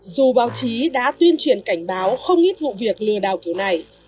dù báo chí đã tuyên truyền cảnh báo không ít vụ việc lừa đảo kiểu này